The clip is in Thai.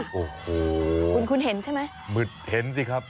โอ้โหคุณคุณเห็นใช่ไหมมืดเห็นสิครับ